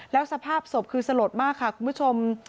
แล้วสภาพศพคือสลดมากค่ะคุณผู้ชม